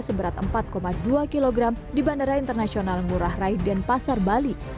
seberat empat dua kg di bandara internasional ngurah rai dan pasar bali